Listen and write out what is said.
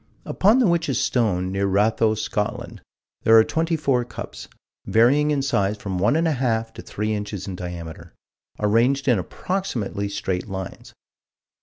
Upon the Witch's Stone, near Ratho, Scotland, there are twenty four cups, varying in size from one and a half to three inches in diameter, arranged in approximately straight lines.